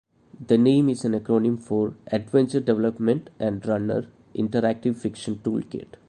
The name is an acronym for "Adventure Development and Runner - Interactive Fiction Toolkit".